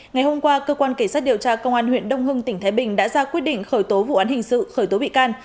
ngày hôm qua cơ quan cảnh sát điều tra công an huyện đông hưng tỉnh thái bình đã ra quyết định khởi tố vụ án hình sự khởi tố bị can